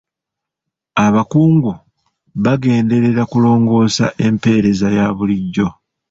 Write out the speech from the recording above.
Abakungu bagenderera kulongoosa empeereza ya bulijjo.